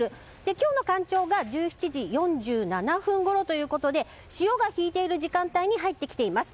今日の干潮が１７時４７分ごろということで潮が引いている時間帯に入ってきています。